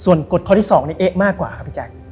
ส่วนกฎข้อที่๒นี่เอ๊ะมากกว่าครับพี่แจ๊ค